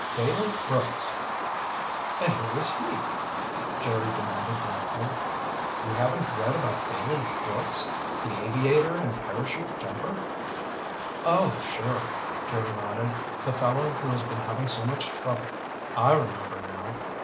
"Bailey Brooks!" "And who is he?" Jerry demanded bluntly. "You haven't read about Bailey Brooks, the aviator and parachute jumper?" "Oh, sure," Jerry nodded, "the fellow who has been having so much trouble. I remember now.